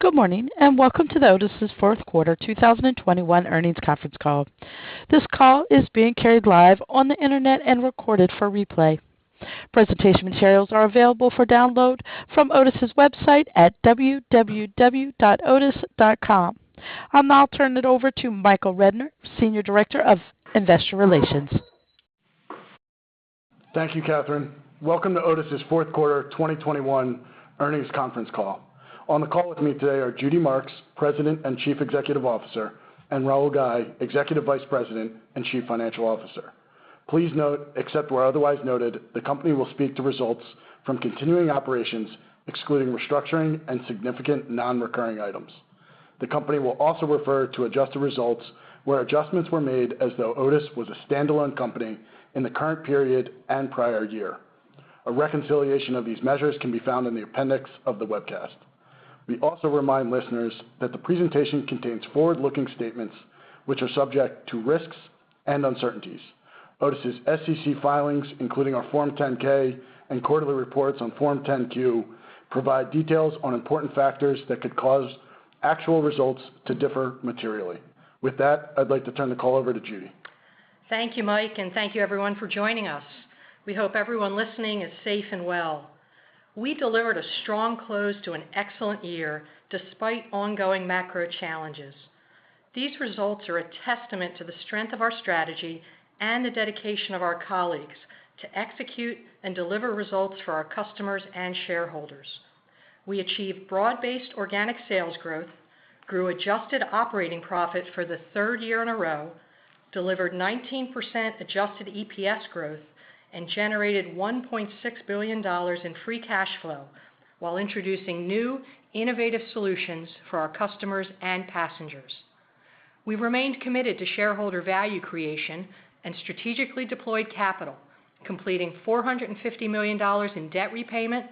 Good morning, and welcome to Otis's Q4 2021 earnings conference call. This call is being carried live on the internet and recorded for replay. Presentation materials are available for download from Otis's website at www.otis.com. I'll now turn it over to Michael Rednor, Senior Director of Investor Relations. Thank you, Catherine. Welcome to Otis's Q4 2021 earnings conference call. On the call with me today are Judy Marks, President and Chief Executive Officer, and Rahul Ghai, Executive Vice President and Chief Financial Officer. Please note, except where otherwise noted, the company will speak to results from continuing operations, excluding restructuring and significant non-recurring items. The company will also refer to adjusted results where adjustments were made as though Otis was a stand-alone company in the current period and prior year. A reconciliation of these measures can be found in the appendix of the webcast. We also remind listeners that the presentation contains forward-looking statements which are subject to risks and uncertainties. Otis's SEC filings, including our Form 10-K and quarterly reports on Form 10-Q, provide details on important factors that could cause actual results to differ materially. With that, I'd like to turn the call over to Judy. Thank you, Mike, and thank you everyone for joining us. We hope everyone listening is safe and well. We delivered a strong close to an excellent year despite ongoing macro challenges. These results are a testament to the strength of our strategy and the dedication of our colleagues to execute and deliver results for our customers and shareholders. We achieved broad-based organic sales growth, grew adjusted operating profit for the third year in a row, delivered 19% adjusted EPS growth and generated $1.6 billion in free cash flow while introducing new innovative solutions for our customers and passengers. We remained committed to shareholder value creation and strategically deployed capital, completing $450 million in debt repayment,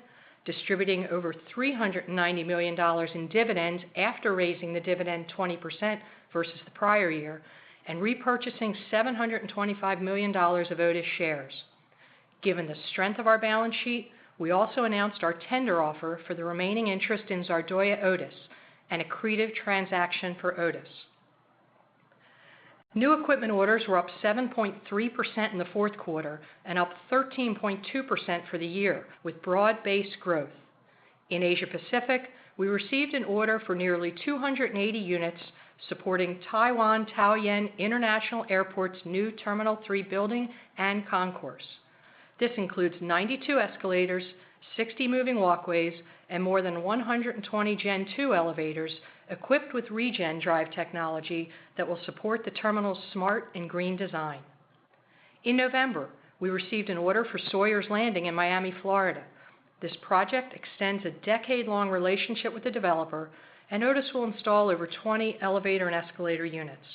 distributing over $390 million in dividends after raising the dividend 20% versus the prior year, and repurchasing $725 million of Otis shares. Given the strength of our balance sheet, we also announced our tender offer for the remaining interest in Zardoya Otis, an accretive transaction for Otis. New equipment orders were up 7.3% in the Q4 and up 13.2% for the year with broad-based growth. In Asia-Pacific, we received an order for nearly 280 units supporting Taiwan Taoyuan International Airport's new Terminal 3 building and concourse. This includes 92 escalators, 60 moving walkways, and more than 120 Gen2 elevators equipped with ReGen Drive technology that will support the terminal's smart and green design. In November, we received an order for Sawyer's Landing in Miami, Florida. This project extends a decade-long relationship with the developer, and Otis will install over 20 elevator and escalator units.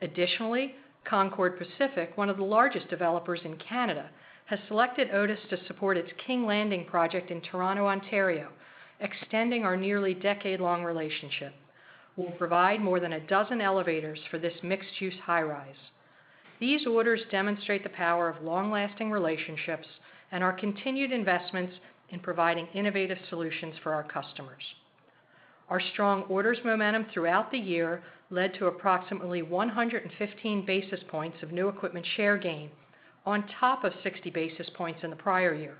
Additionally, Concord Pacific, one of the largest developers in Canada, has selected Otis to support its King's Landing project in Toronto, Ontario, extending our nearly decade-long relationship. We'll provide more than a dozen elevators for this mixed-use high-rise. These orders demonstrate the power of long-lasting relationships and our continued investments in providing innovative solutions for our customers. Our strong orders momentum throughout the year led to approximately 115 basis points of new equipment share gain on top of 60 basis points in the prior year.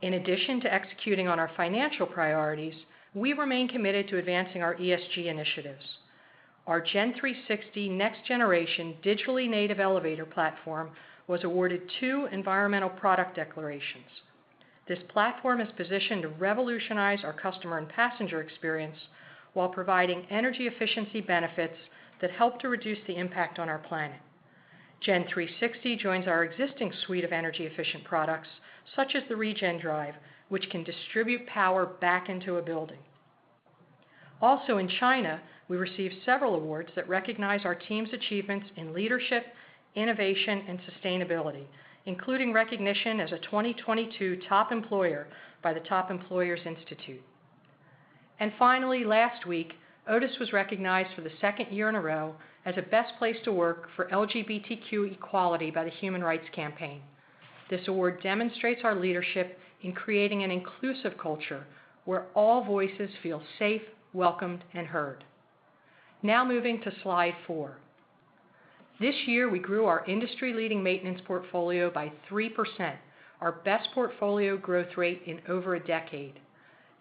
In addition to executing on our financial priorities, we remain committed to advancing our ESG initiatives. Our Gen360 next generation digitally native elevator platform was awarded 2 Environmental Product Declarations. This platform is positioned to revolutionize our customer and passenger experience while providing energy efficiency benefits that help to reduce the impact on our planet. Gen360 joins our existing suite of energy efficient products, such as the ReGen Drive, which can distribute power back into a building. Also in China, we received several awards that recognize our team's achievements in leadership, innovation, and sustainability, including recognition as a 2022 top employer by the Top Employers Institute. Finally, last week, Otis was recognized for the second year in a row as a best place to work for LGBTQ equality by the Human Rights Campaign. This award demonstrates our leadership in creating an inclusive culture where all voices feel safe, welcomed, and heard. Now moving to slide four. This year, we grew our industry-leading maintenance portfolio by 3%, our best portfolio growth rate in over a decade.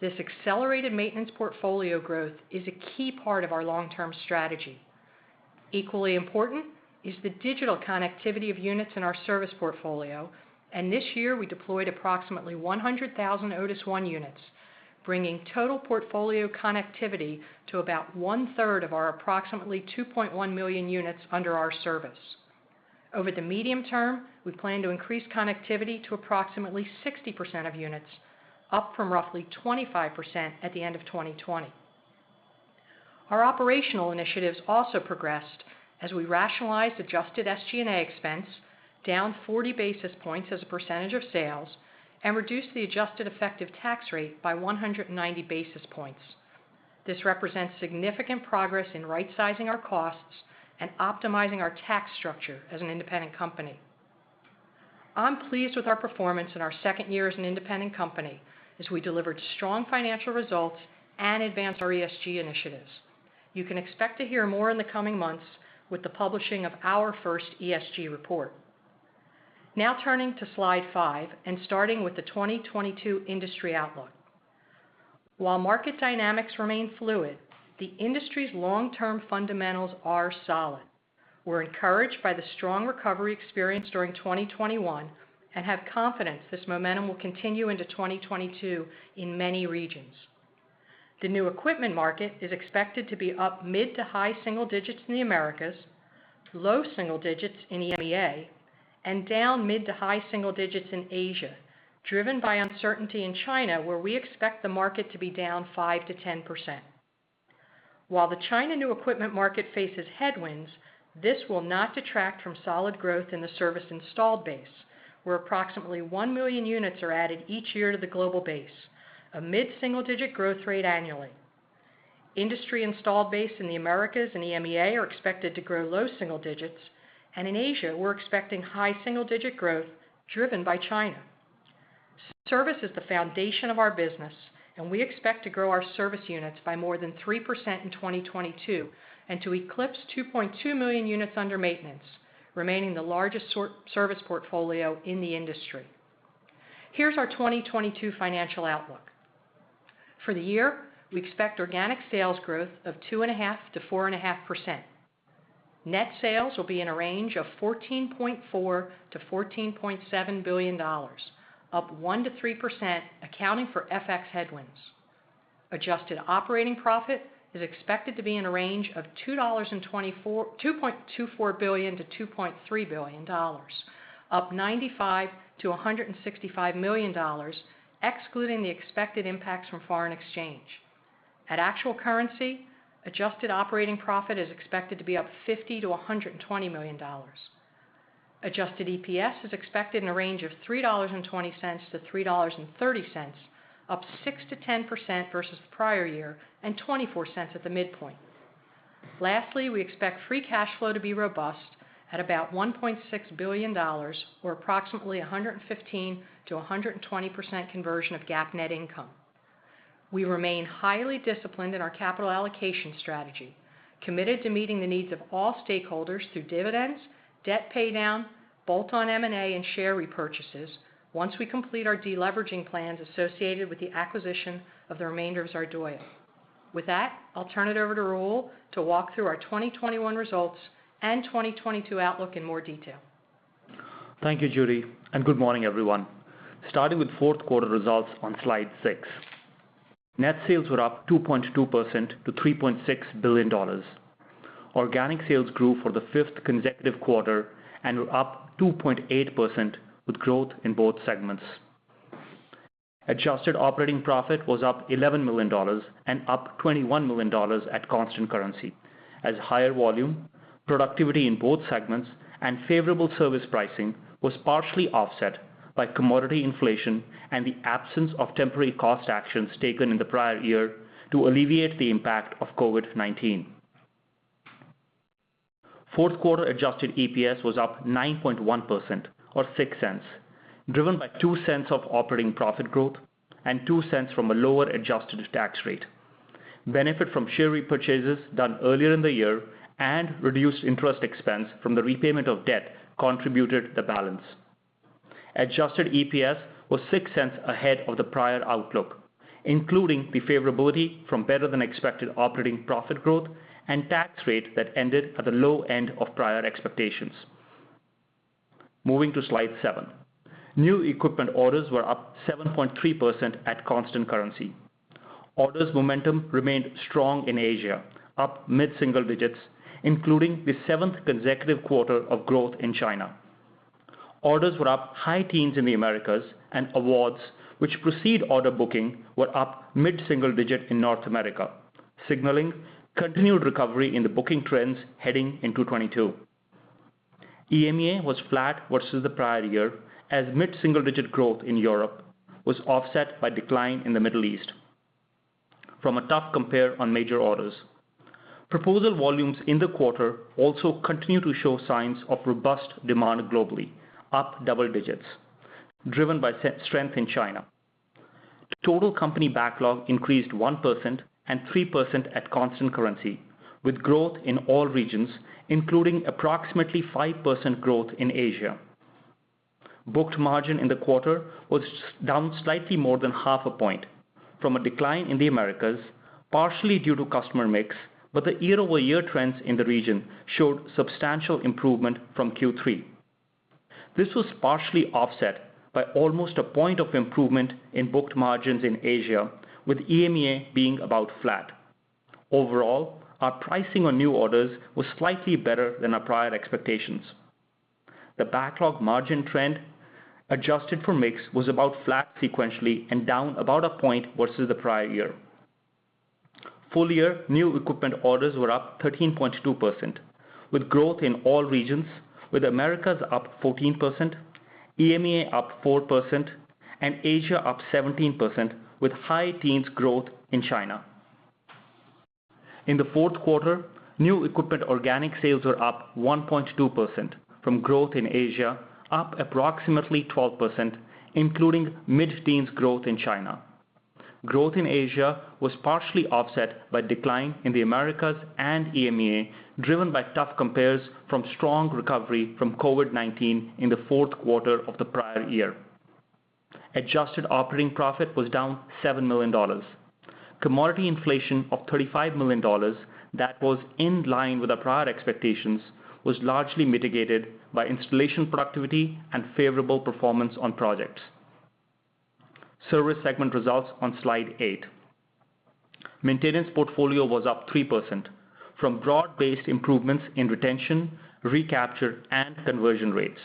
This accelerated maintenance portfolio growth is a key part of our long-term strategy. Equally important is the digital connectivity of units in our service portfolio, and this year we deployed approximately 100,000 Otis ONE units, bringing total portfolio connectivity to about 1/3 of our approximately 2.1 million units under our service. Over the medium term, we plan to increase connectivity to approximately 60% of units, up from roughly 25% at the end of 2020. Our operational initiatives also progressed as we rationalized adjusted SG&A expense down 40 basis points as a percentage of sales and reduced the adjusted effective tax rate by 190 basis points. This represents significant progress in rightsizing our costs and optimizing our tax structure as an independent company. I'm pleased with our performance in our second year as an independent company, as we delivered strong financial results and advanced our ESG initiatives. You can expect to hear more in the coming months with the publishing of our first ESG report. Now turning to slide 5, and starting with the 2022 industry outlook. While market dynamics remain fluid, the industry's long-term fundamentals are solid. We're encouraged by the strong recovery experience during 2021 and have confidence this momentum will continue into 2022 in many regions. The new equipment market is expected to be up mid- to high-single digits% in the Americas, low-single digits% in EMEA, and down mid- to high-single digits% in Asia, driven by uncertainty in China, where we expect the market to be down 5%-10%. While the China new equipment market faces headwinds, this will not detract from solid growth in the service installed base, where approximately 1 million units are added each year to the global base, a mid-single-digit% growth rate annually. Industry installed base in the Americas and EMEA are expected to grow low-single digits%, and in Asia, we're expecting high-single-digit% growth driven by China. Service is the foundation of our business, and we expect to grow our service units by more than 3% in 2022 and to eclipse 2.2 million units under maintenance, remaining the largest service portfolio in the industry. Here's our 2022 financial outlook. For the year, we expect organic sales growth of 2.5%-4.5%. Net sales will be in a range of $14.4 billion-$14.7 billion, up 1%-3% accounting for FX headwinds. Adjusted operating profit is expected to be in a range of $2.24 billion-$2.3 billion, up $95 million-$165 million, excluding the expected impacts from foreign exchange. At actual currency, adjusted operating profit is expected to be up $50 million-$120 million. Adjusted EPS is expected in a range of $3.20-$3.30, up 6%-10% versus the prior year and $0.24 at the midpoint. Lastly, we expect free cash flow to be robust at about $1.6 billion or approximately 115%-120% conversion of GAAP net income. We remain highly disciplined in our capital allocation strategy, committed to meeting the needs of all stakeholders through dividends, debt paydown, bolt-on M&A, and share repurchases once we complete our deleveraging plans associated with the acquisition of the remainder of Zardoya. With that, I'll turn it over to Rahul to walk through our 2021 results and 2022 outlook in more detail. Thank you, Judy, and good morning, everyone. Starting with fourth quarter results on slide 6. Net sales were up 2.2% to $3.6 billion. Organic sales grew for the fifth consecutive quarter and were up 2.8% with growth in both segments. Adjusted operating profit was up $11 million and up $21 million at constant currency as higher volume, productivity in both segments, and favorable service pricing was partially offset by commodity inflation and the absence of temporary cost actions taken in the prior year to alleviate the impact of COVID-19. Fourth quarter adjusted EPS was up 9.1% or $0.06, driven by $0.02 of operating profit growth and $0.02 from a lower adjusted tax rate. Benefits from share repurchases done earlier in the year and reduced interest expense from the repayment of debt contributed the balance. Adjusted EPS was $0.06 ahead of the prior outlook, including the favorability from better than expected operating profit growth and tax rate that ended at the low end of prior expectations. Moving to slide 7. New equipment orders were up 7.3% at constant currency. Orders momentum remained strong in Asia, up mid-single digits, including the seventh consecutive quarter of growth in China. Orders were up high teens in the Americas, and awards, which precede order booking, were up mid-single digits in North America, signaling continued recovery in the booking trends heading into 2022. EMEA was flat versus the prior year as mid-single-digit growth in Europe was offset by decline in the Middle East from a tough compare on major orders. Proposal volumes in the quarter also continue to show signs of robust demand globally, up double digits, driven by strength in China. Total company backlog increased 1% and 3% at constant currency, with growth in all regions, including approximately 5% growth in Asia. Booked margin in the quarter was down slightly more than half a point from a decline in the Americas, partially due to customer mix, but the year-over-year trends in the region showed substantial improvement from Q3. This was partially offset by almost a point of improvement in booked margins in Asia, with EMEA being about flat. Overall, our pricing on new orders was slightly better than our prior expectations. The backlog margin trend, adjusted for mix, was about flat sequentially and down about a point versus the prior year. Full year new equipment orders were up 13.2%, with growth in all regions, with Americas up 14%, EMEA up 4%, and Asia up 17%, with high-teens growth in China. In the fourth quarter, new equipment organic sales were up 1.2% from growth in Asia, up approximately 12% including mid-teens growth in China. Growth in Asia was partially offset by decline in the Americas and EMEA, driven by tough compares from strong recovery from COVID-19 in the fourth quarter of the prior year. Adjusted operating profit was down $7 million. Commodity inflation of $35 million that was in line with our prior expectations was largely mitigated by installation productivity and favorable performance on projects. Service segment results on slide eight. Maintenance portfolio was up 3% from broad-based improvements in retention, recapture, and conversion rates.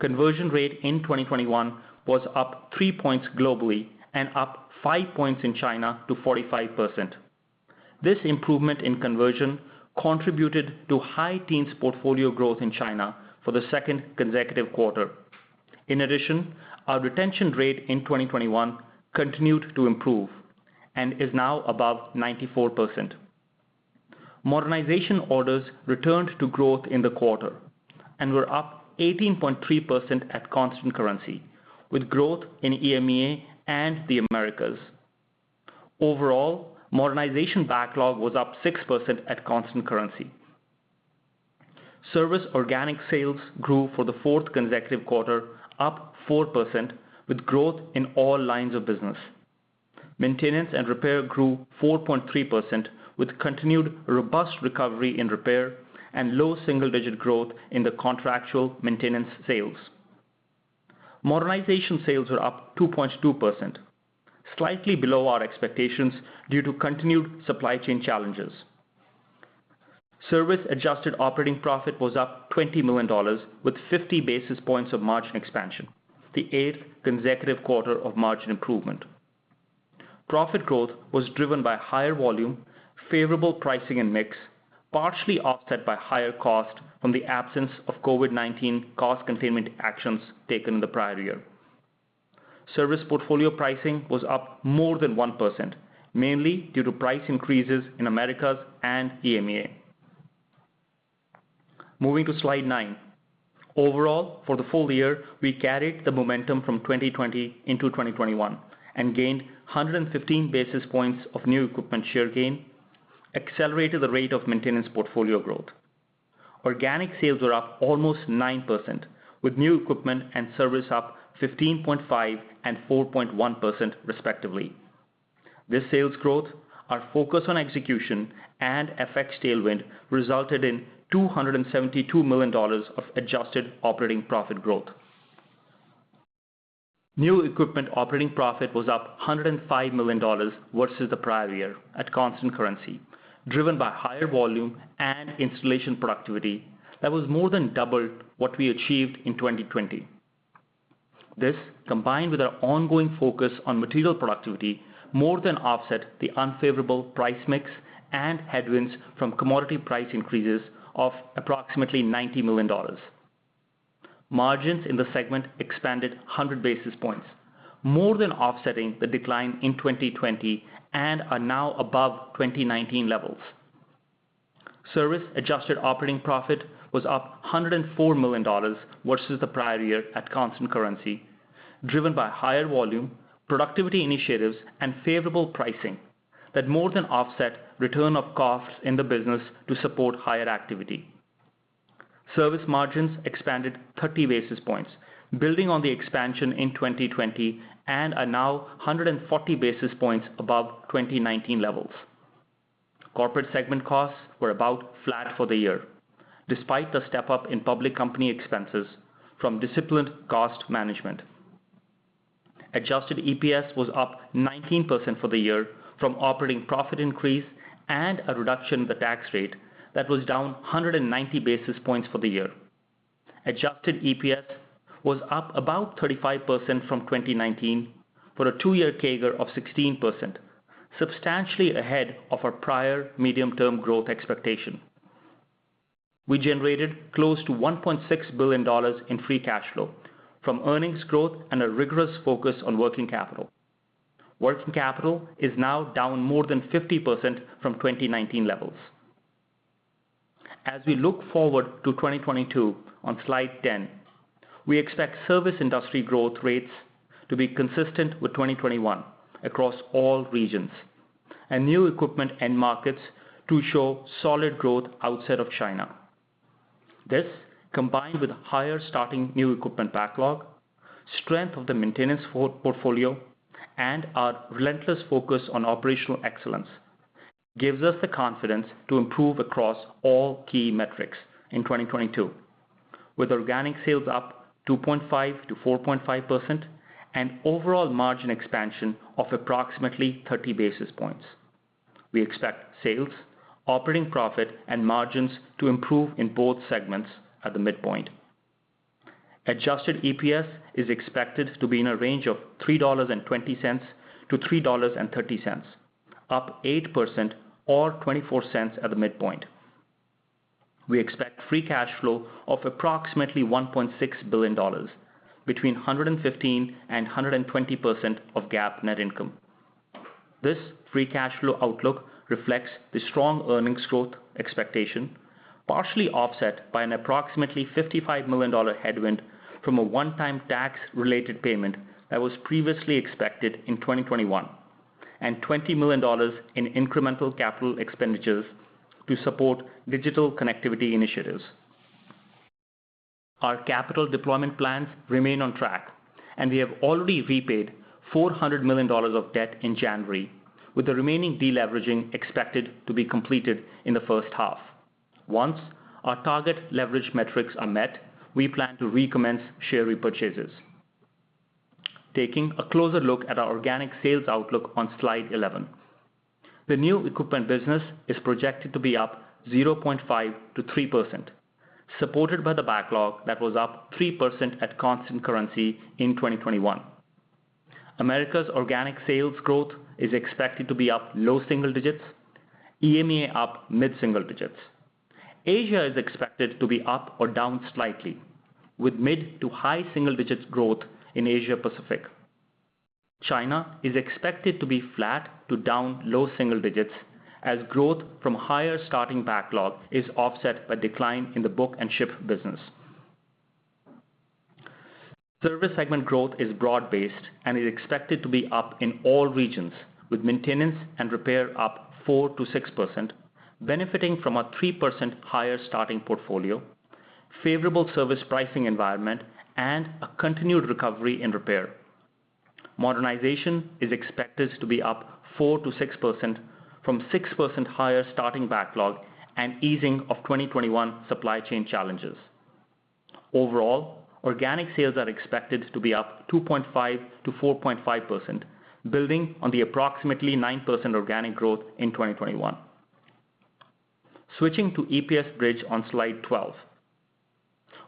Conversion rate in 2021 was up 3 points globally and up 5 points in China to 45%. This improvement in conversion contributed to high teens portfolio growth in China for the second consecutive quarter. In addition, our retention rate in 2021 continued to improve and is now above 94%. Modernization orders returned to growth in the quarter and were up 18.3% at constant currency with growth in EMEA and the Americas. Overall, modernization backlog was up 6% at constant currency. Service organic sales grew for the fourth consecutive quarter, up 4% with growth in all lines of business. Maintenance and repair grew 4.3% with continued robust recovery in repair and low single-digit growth in the contractual maintenance sales. Modernization sales were up 2.2%, slightly below our expectations due to continued supply chain challenges. Service adjusted operating profit was up $20 million with 50 basis points of margin expansion, the 8th consecutive quarter of margin improvement. Profit growth was driven by higher volume, favorable pricing and mix, partially offset by higher cost from the absence of COVID-19 cost containment actions taken in the prior year. Service portfolio pricing was up more than 1%, mainly due to price increases in Americas and EMEA. Moving to slide 9. Overall, for the full year, we carried the momentum from 2020 into 2021 and gained 115 basis points of new equipment share gain, accelerated the rate of maintenance portfolio growth. Organic sales were up almost 9% with new equipment and service up 15.5% and 4.1%, respectively. This sales growth, our focus on execution, and FX tailwind resulted in $272 million of adjusted operating profit growth. New equipment operating profit was up $105 million versus the prior year at constant currency, driven by higher volume and installation productivity that was more than double what we achieved in 2020. This, combined with our ongoing focus on material productivity, more than offset the unfavorable price mix and headwinds from commodity price increases of approximately $90 million. Margins in the segment expanded 100 basis points, more than offsetting the decline in 2020 and are now above 2019 levels. Service adjusted operating profit was up $104 million versus the prior year at constant currency, driven by higher volume, productivity initiatives, and favorable pricing that more than offset return of costs in the business to support higher activity. Service margins expanded 30 basis points, building on the expansion in 2020 and are now 140 basis points above 2019 levels. Corporate segment costs were about flat for the year, despite the step-up in public company expenses from disciplined cost management. Adjusted EPS was up 19% for the year from operating profit increase and a reduction in the tax rate that was down 190 basis points for the year. Adjusted EPS was up about 35% from 2019 for a two-year CAGR of 16%, substantially ahead of our prior medium-term growth expectation. We generated close to $1.6 billion in free cash flow from earnings growth and a rigorous focus on working capital. Working capital is now down more than 50% from 2019 levels. As we look forward to 2022 on slide 10, we expect service industry growth rates to be consistent with 2021 across all regions and new equipment end markets to show solid growth outside of China. This, combined with higher starting new equipment backlog, strength of the maintenance portfolio, and our relentless focus on operational excellence, gives us the confidence to improve across all key metrics in 2022. With organic sales up 2.5%-4.5% and overall margin expansion of approximately 30 basis points, we expect sales, operating profit, and margins to improve in both segments at the midpoint. Adjusted EPS is expected to be in a range of $3.20-$3.30, up 8% or $0.24 at the midpoint. We expect free cash flow of approximately $1.6 billion between 115% and 120% of GAAP net income. This free cash flow outlook reflects the strong earnings growth expectation, partially offset by an approximately $55 million headwind from a one-time tax-related payment that was previously expected in 2021 and $20 million in incremental capital expenditures to support digital connectivity initiatives. Our capital deployment plans remain on track and we have already repaid $400 million of debt in January, with the remaining de-leveraging expected to be completed in the first half. Once our target leverage metrics are met, we plan to recommence share repurchases. Taking a closer look at our organic sales outlook on slide 11. The new equipment business is projected to be up 0.5%-3%, supported by the backlog that was up 3% at constant currency in 2021. Americas organic sales growth is expected to be up low single digits, EMEA up mid single digits. Asia is expected to be up or down slightly with mid- to high-single-digits growth in Asia Pacific. China is expected to be flat to down low single digits as growth from higher starting backlog is offset by decline in the book and ship business. Service segment growth is broad-based and is expected to be up in all regions with maintenance and repair up 4%-6%, benefiting from a 3% higher starting portfolio, favorable service pricing environment and a continued recovery in repair. Modernization is expected to be up 4%-6% from 6% higher starting backlog and easing of 2021 supply chain challenges. Overall, organic sales are expected to be up 2.5%-4.5% building on the approximately 9% organic growth in 2021. Switching to EPS bridge on slide 12.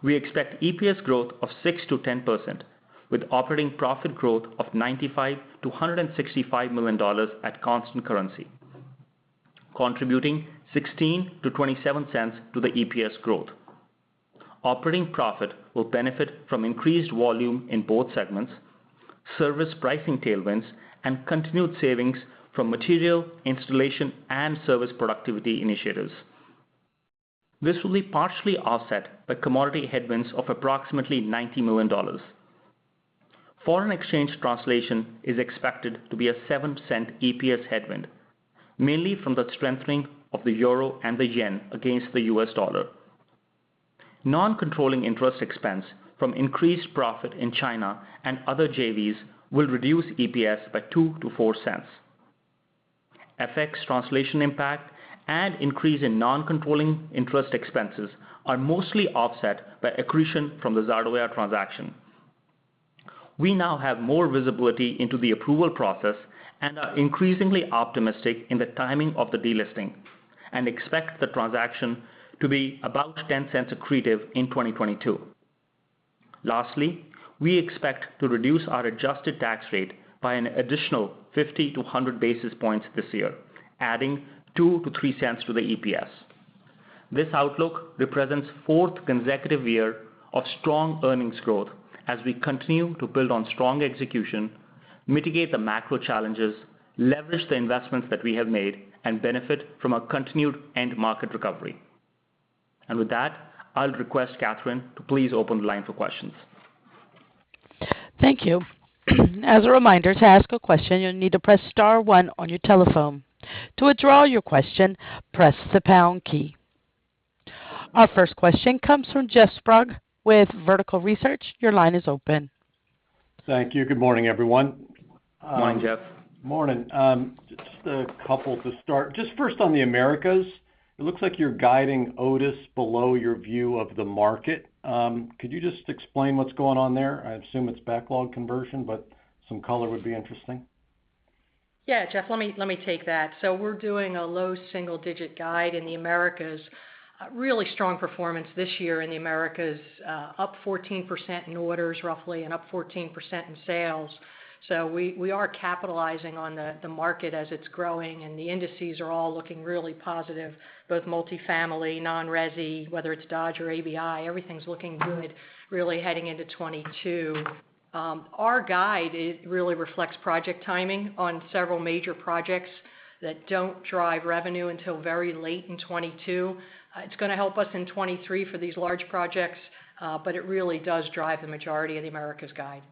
We expect EPS growth of 6%-10% with operating profit growth of $95 million-$165 million at constant currency, contributing $0.16-$0.27 to the EPS growth. Operating profit will benefit from increased volume in both segments, service pricing tailwinds, and continued savings from material installation and service productivity initiatives. This will be partially offset by commodity headwinds of approximately $90 million. Foreign exchange translation is expected to be a $0.07 EPS headwind, mainly from the strengthening of the euro and the yen against the US dollar. Non-controlling interest expense from increased profit in China and other JVs will reduce EPS by $0.02-$0.04. FX translation impact and increase in non-controlling interest expenses are mostly offset by accretion from the Zardoya transaction. We now have more visibility into the approval process and are increasingly optimistic in the timing of the delisting and expect the transaction to be about $0.10 accretive in 2022. Lastly, we expect to reduce our adjusted tax rate by an additional 50-100 basis points this year, adding $0.02-$0.03 to the EPS. This outlook represents fourth consecutive year of strong earnings growth as we continue to build on strong execution, mitigate the macro challenges, leverage the investments that we have made and benefit from a continued end market recovery. With that, I'll request Catherine to please open the line for questions. Thank you. As a reminder, to ask a question, you'll need to press star one on your telephone. To withdraw your question, press the pound key. Our first question comes from Jeff Sprague with Vertical Research. Your line is open. Thank you. Good morning, everyone. Morning, Jeff. Morning. Just a couple to start. Just first on the Americas, it looks like you're guiding Otis below your view of the market. Could you just explain what's going on there? I assume it's backlog conversion, but some color would be interesting. Yeah, Jeff, let me take that. We're doing a low single digit guide in the Americas. Really strong performance this year in the Americas, up 14% in orders roughly and up 14% in sales. We are capitalizing on the market as it's growing, and the indices are all looking really positive, both multifamily, non-resi, whether it's Dodge or ABI, everything's looking good really heading into 2022. Our guide really reflects project timing on several major projects that don't drive revenue until very late in 2022. It's gonna help us in 2023 for these large projects, but it really does drive the majority of the Americas guide.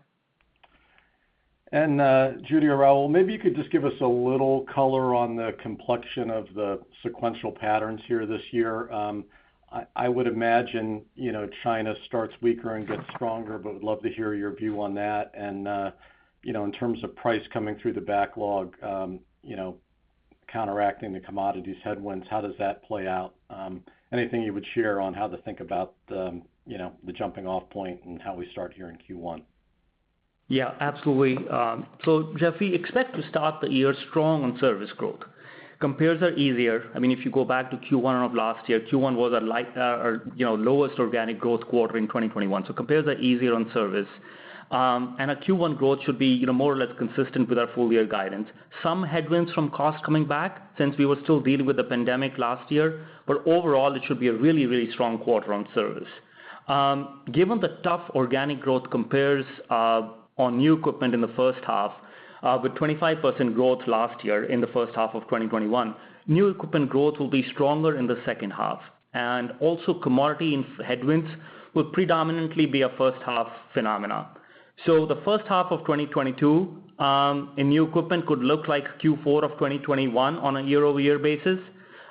Judy or Rahul, maybe you could just give us a little color on the complexion of the sequential patterns here this year. I would imagine, you know, China starts weaker and gets stronger, but would love to hear your view on that. You know, in terms of price coming through the backlog, you know, counteracting the commodities headwinds, how does that play out? Anything you would share on how to think about the, you know, the jumping off point and how we start here in Q1? Yeah, absolutely. Jeff, we expect to start the year strong on service growth. Compares are easier. I mean, if you go back to Q1 of last year, Q1 was a light, or you know, lowest organic growth quarter in 2021. Compares are easier on service. Our Q1 growth should be, you know, more or less consistent with our full year guidance. Some headwinds from costs coming back since we were still dealing with the pandemic last year, but overall, it should be a really, really strong quarter on service. Given the tough organic growth compares on new equipment in the first half, with 25% growth last year in the first half of 2021, new equipment growth will be stronger in the second half. Also commodity headwinds will predominantly be a first half phenomenon. The first half of 2022 in new equipment could look like Q4 of 2021 on a year-over-year basis.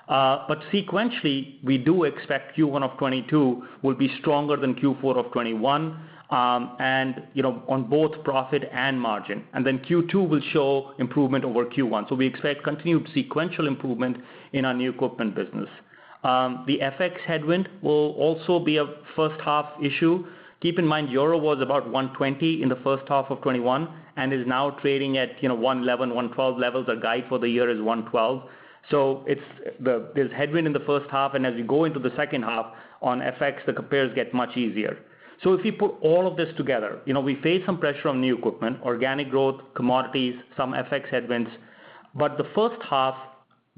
Sequentially, we do expect Q1 of 2022 will be stronger than Q4 of 2021, and, you know, on both profit and margin. Q2 will show improvement over Q1. We expect continued sequential improvement in our new equipment business. The FX headwind will also be a first half issue. Keep in mind, Euro was about 1.20 in the first half of 2021 and is now trading at, you know, 1.11, 1.12 levels. Our guide for the year is 1.12. There's headwind in the first half, and as you go into the second half on FX, the compares get much easier. If you put all of this together, you know, we face some pressure on new equipment, organic growth, commodities, some FX headwinds, but the first half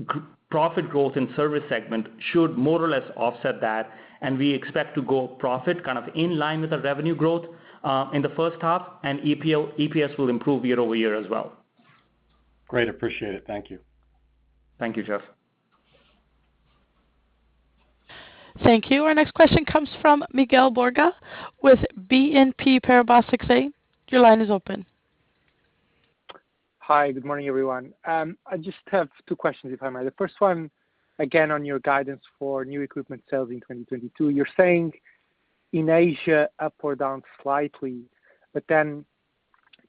gross profit growth and service segment should more or less offset that, and we expect gross profit kind of in line with the revenue growth in the first half, and EPS will improve year-over-year as well. Great. Appreciate it. Thank you. Thank you, Jeff. Thank you. Our next question comes from Miguel Borga with BNP Paribas Exane. Your line is open. Hi. Good morning, everyone. I just have two questions, if I may. The first one, again, on your guidance for new equipment sales in 2022. You're saying in Asia, up or down slightly, but then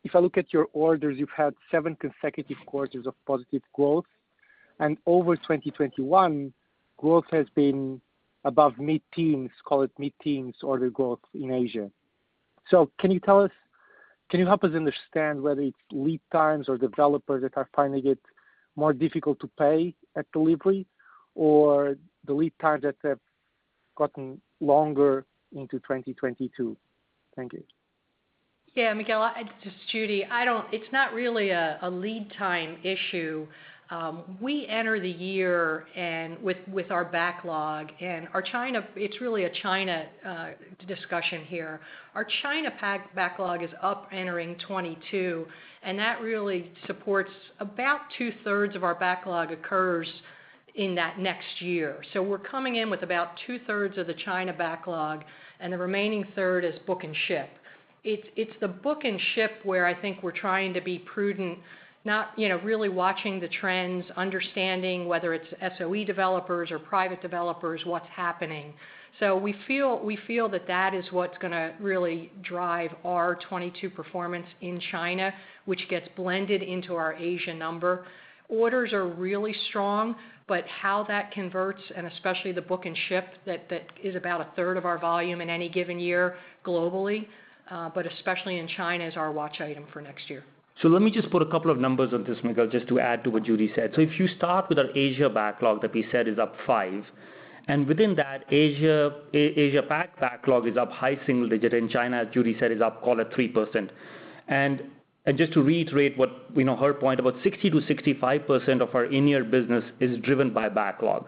if I look at your orders, you've had seven consecutive quarters of positive growth. Over 2021, growth has been above mid-teens, call it mid-teens order growth in Asia. Can you help us understand whether it's lead times or developers that are finding it more difficult to pay at delivery or the lead times that have gotten longer into 2022? Thank you. Yeah, Miguel, just Judy. It's not really a lead time issue. We enter the year with our backlog, and it's really a China discussion here. Our China backlog is up entering 2022, and that really supports about two-thirds of our backlog occurs in that next year. We're coming in with about two-thirds of the China backlog, and the remaining third is book and ship. It's the book and ship where I think we're trying to be prudent, you know, really watching the trends, understanding whether it's SOE developers or private developers, what's happening. We feel that that is what's gonna really drive our 2022 performance in China, which gets blended into our Asia number. Orders are really strong, but how that converts, and especially the book and ship, that is about a third of our volume in any given year globally, but especially in China is our watch item for next year. Let me just put a couple of numbers on this, Miguel, just to add to what Judy said. If you start with our Asia backlog that we said is up 5%, and within that Asia-Pacific backlog is up high single digits, and China, Judy said, is up, call it 3%. Just to reiterate what, you know, her point, about 60%-65% of our in-year business is driven by backlog.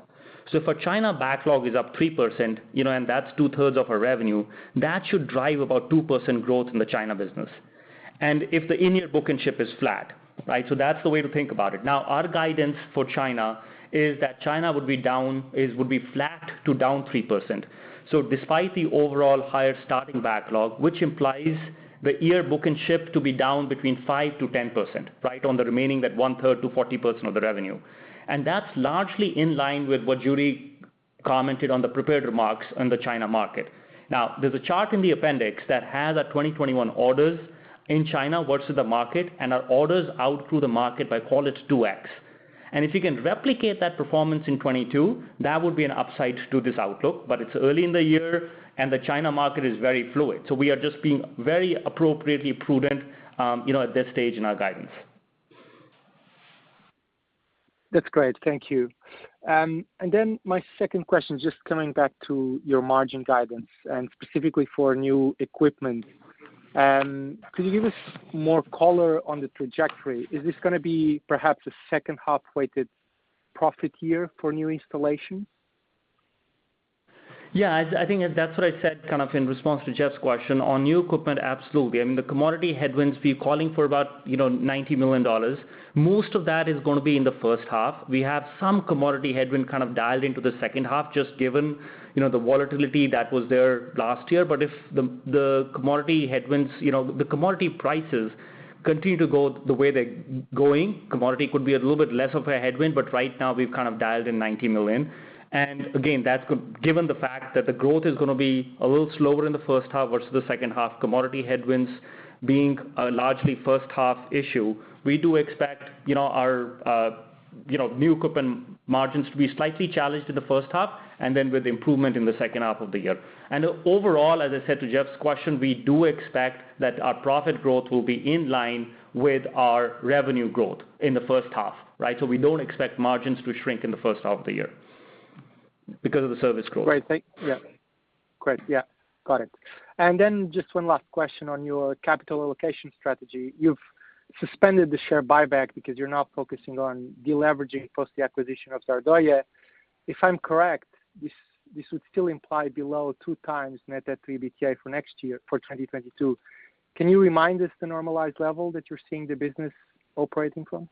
If our China backlog is up 3%, you know, and that's two-thirds of our revenue, that should drive about 2% growth in the China business. If the in-year book and ship is flat, right? That's the way to think about it. Now, our guidance for China is that China would be flat to down 3%. Despite the overall higher starting backlog, which implies the year book and ship to be down between 5%-10%, right on the remaining that one-third to 40% of the revenue. That's largely in line with what Judy commented on the prepared remarks on the China market. Now, there's a chart in the appendix that has our 2021 orders in China versus the market and our orders out to the market by call it 2x. If you can replicate that performance in 2022, that would be an upside to this outlook, but it's early in the year, and the China market is very fluid. We are just being very appropriately prudent at this stage in our guidance. That's great. Thank you. My second question, just coming back to your margin guidance and specifically for new equipment. Could you give us more color on the trajectory? Is this gonna be perhaps a second half-weighted profit year for new installations? Yeah, I think that's what I said kind of in response to Jeff's question. On new equipment, absolutely. I mean, the commodity headwinds we're calling for about, you know, $90 million. Most of that is gonna be in the first half. We have some commodity headwind kind of dialed into the second half, just given, you know, the volatility that was there last year. But if the commodity headwinds, you know, the commodity prices continue to go the way they're going, commodity could be a little bit less of a headwind, but right now we've kind of dialed in $90 million. Again, that's given the fact that the growth is gonna be a little slower in the first half versus the second half, commodity headwinds being a largely first half issue, we do expect, you know, our, you know, new equipment margins to be slightly challenged in the first half and then with improvement in the second half of the year. Overall, as I said to Jeff's question, we do expect that our profit growth will be in line with our revenue growth in the first half, right? We don't expect margins to shrink in the first half of the year because of the service growth. Then just one last question on your capital allocation strategy. You've suspended the share buyback because you're now focusing on deleveraging plus the acquisition of Zardoya. If I'm correct, this would still imply below 2x net debt to EBITDA for next year, for 2022. Can you remind us the normalized level that you're seeing the business operating from?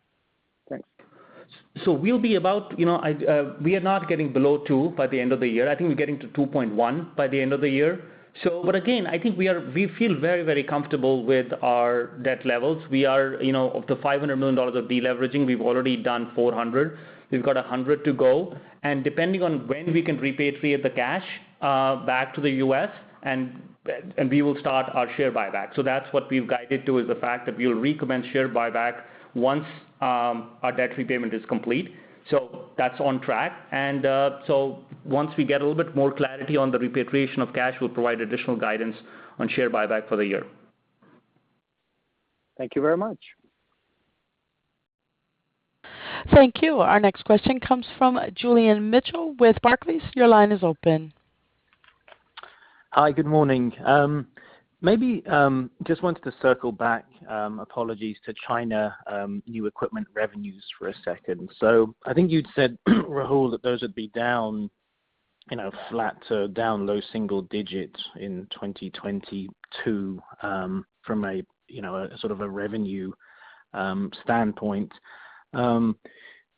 Thanks. We'll be about. We are not getting below 2 by the end of the year. I think we're getting to 2.1 by the end of the year. Again, I think we feel very, very comfortable with our debt levels. We are up to $500 million of deleveraging. We've already done $400 million. We've got $100 million to go. Depending on when we can repatriate the cash back to the U.S., we will start our share buyback. That's what we've guided to, is the fact that we will recommend share buyback once our debt repayment is complete. That's on track. Once we get a little bit more clarity on the repatriation of cash, we'll provide additional guidance on share buyback for the year. Thank you very much. Thank you. Our next question comes from Julian Mitchell with Barclays. Your line is open. Hi, good morning. Maybe just wanted to circle back, apologies to China, new equipment revenues for a second. I think you'd said, Rahul, that those would be down, you know, flat to down low single digits in 2022, from a, you know, a sort of a revenue standpoint.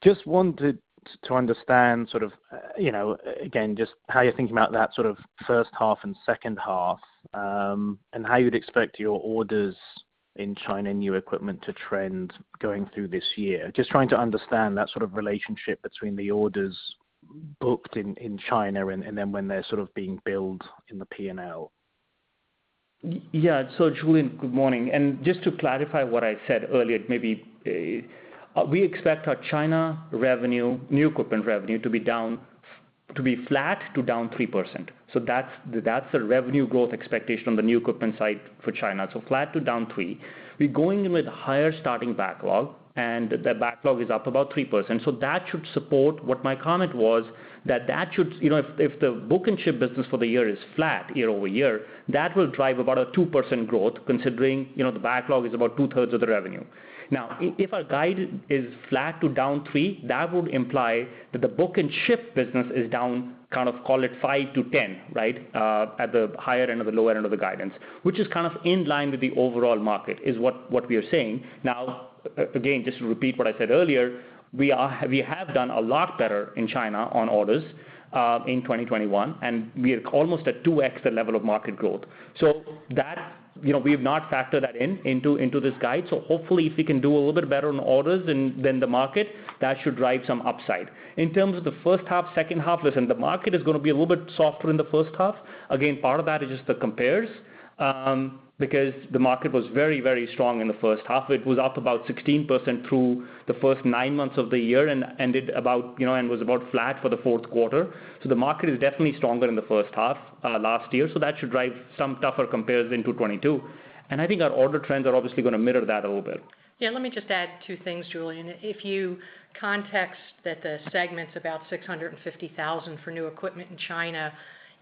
Just wanted to understand sort of, you know, again, just how you're thinking about that sort of first half and second half, and how you'd expect your orders in China, new equipment to trend going through this year. Just trying to understand that sort of relationship between the orders booked in China and then when they're sort of being billed in the P&L. Yeah. Julian, good morning. Just to clarify what I said earlier, maybe we expect our China revenue, new equipment revenue to be flat to down 3%. That's the revenue growth expectation on the new equipment side for China, flat to down 3. We're going in with higher starting backlog, and the backlog is up about 3%. That should support what my comment was, that should, you know, if the book and ship business for the year is flat year over year, that will drive about a 2% growth considering, you know, the backlog is about two-thirds of the revenue. Now, if our guide is flat to down 3%, that would imply that the book and ship business is down, kind of call it 5%-10%, right, at the higher end or the lower end of the guidance, which is kind of in line with the overall market, is what we are seeing. Now, again, just to repeat what I said earlier, we have done a lot better in China on orders in 2021, and we are almost at 2x the level of market growth. So that, you know, we have not factored that in into this guide. So hopefully, if we can do a little bit better on orders than the market, that should drive some upside. In terms of the first half, second half, listen, the market is gonna be a little bit softer in the first half. Again, part of that is just the compares, because the market was very, very strong in the first half. It was up about 16% through the first nine months of the year and ended about, you know, and was about flat for the fourth quarter. The market is definitely stronger in the first half last year, so that should drive some tougher compares in 2022. I think our order trends are obviously gonna mirror that a little bit. Yeah, let me just add two things, Julian. If you contextualize that the segment's about 650,000 for new equipment in China,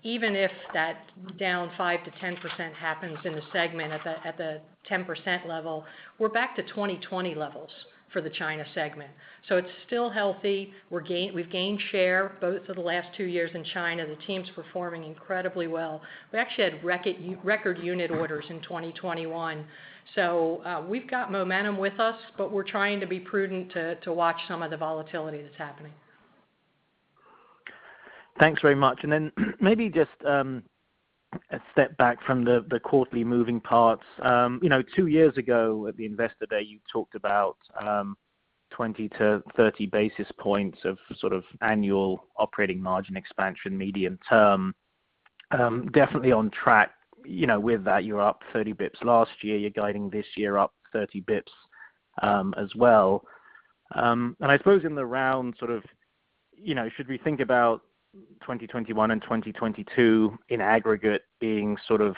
even if that down 5%-10% happens in the segment at the 10% level, we're back to 2020 levels for the China segment. It's still healthy. We've gained share both for the last two years in China. The team's performing incredibly well. We actually had record unit orders in 2021. We've got momentum with us, but we're trying to be prudent to watch some of the volatility that's happening. Thanks very much. Maybe just a step back from the quarterly moving parts. You know, 2 years ago at the Investor Day, you talked about 20-30 basis points of sort of annual operating margin expansion medium term. Definitely on track, you know, with that. You're up 30 basis points last year. You're guiding this year up 30 basis points, as well. I suppose in the round, sort of, you know, should we think about 2021 and 2022 in aggregate being sort of,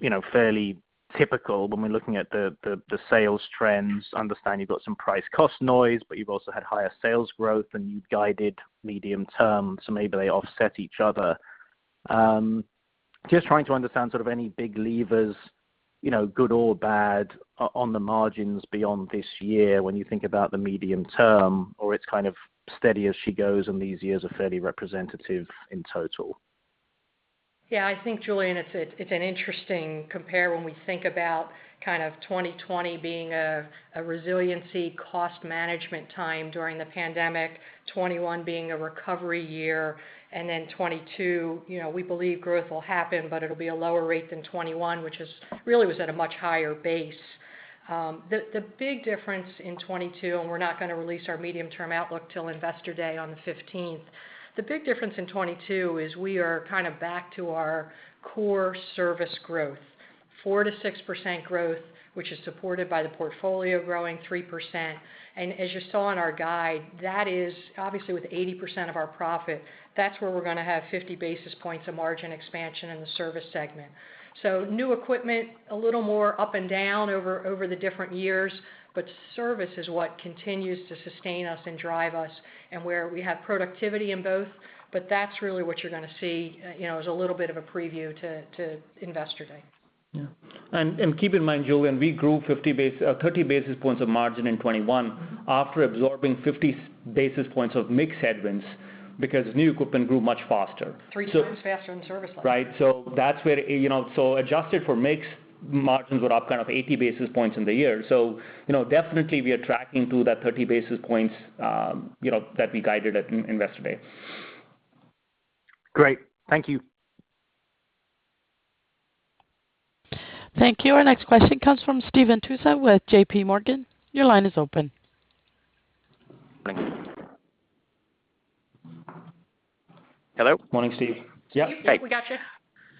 you know, fairly typical when we're looking at the sales trends. Understand you've got some price cost noise, but you've also had higher sales growth than you'd guided medium term, so maybe they offset each other. Just trying to understand sort of any big levers, you know, good or bad on the margins beyond this year when you think about the medium term, or it's kind of steady as she goes and these years are fairly representative in total. Yeah. I think, Julian, it's an interesting compare when we think about kind of 2020 being a resiliency cost management time during the pandemic, 2021 being a recovery year, and then 2022, you know, we believe growth will happen, but it'll be a lower rate than 2021, which is really was at a much higher base. The big difference in 2022, and we're not gonna release our medium-term outlook till Investor Day on the 15th. The big difference in 2022 is we are kind of back to our core service growth, 4%-6% growth, which is supported by the portfolio growing 3%. As you saw in our guide, that is obviously with 80% of our profit. That's where we're gonna have 50 basis points of margin expansion in the service segment. New equipment, a little more up and down over the different years, but service is what continues to sustain us and drive us, and where we have productivity in both. That's really what you're gonna see, you know, as a little bit of a preview to Investor Day. Yeah. Keep in mind, Julian, we grew 30 basis points of margin in 2021- Mm-hmm... after absorbing 50 basis points of mix headwinds because new equipment grew much faster. 3 times faster than service level. Right. That's where, you know, adjusted for mix, margins were up kind of 80 basis points in the year. You know, definitely we are tracking to that 30 basis points, you know, that we guided at Investor Day. Great. Thank you. Thank you. Our next question comes from Stephen Tusa with J.P. Morgan. Your line is open. Thank you. Hello? Morning, Steve. Yeah. Steve, we got you.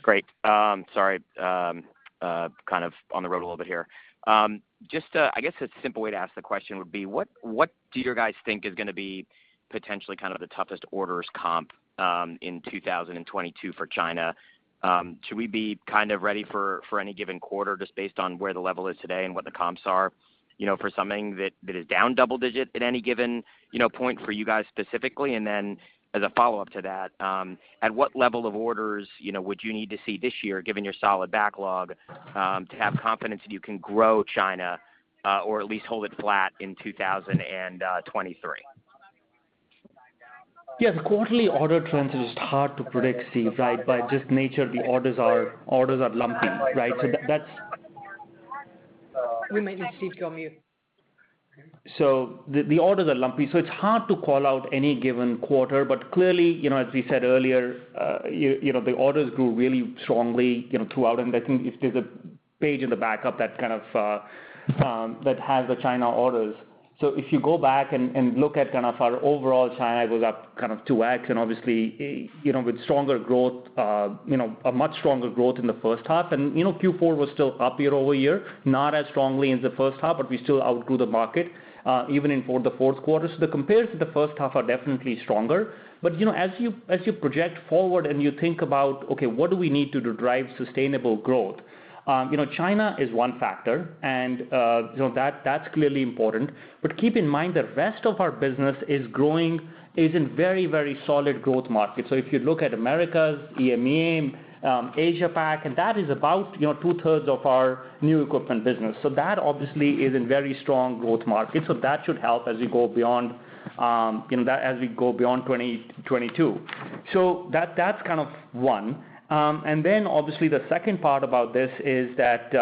Great. Sorry. Kind of on the road a little bit here. I guess a simple way to ask the question would be, what do you guys think is gonna be potentially kind of the toughest orders comp in 2022 for China? Should we be kind of ready for any given quarter just based on where the level is today and what the comps are, you know, for something that is down double digit at any given, you know, point for you guys specifically? And then as a follow-up to that, at what level of orders, you know, would you need to see this year, given your solid backlog, to have confidence that you can grow China or at least hold it flat in 2023? Yeah. The quarterly order trends is hard to predict, Steve, right? By just nature, the orders are lumpy, right? We made Steven come on mute. The orders are lumpy, so it's hard to call out any given quarter. Clearly, you know, as we said earlier, you know, the orders grew really strongly, you know, throughout. I think if there's a page in the backup that kind of has the China orders. If you go back and look at kind of our overall China goes up kind of 2x and obviously, you know, with stronger growth, you know, a much stronger growth in the first half. You know, Q4 was still up year-over-year, not as strongly as the first half, but we still outgrew the market, even in the fourth quarter. The comps to the first half are definitely stronger. You know, as you project forward and you think about what we need to drive sustainable growth, you know, China is one factor and you know, that's clearly important. Keep in mind, the rest of our business is growing in very, very solid growth markets. If you look at Americas, EME, Asia Pac, and that is about, you know, two-thirds of our new equipment business. That obviously is in very strong growth markets. That should help as we go beyond 2022. That's kind of one. Obviously the second part about this is that,